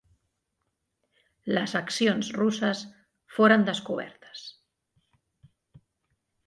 Les accions russes foren descobertes.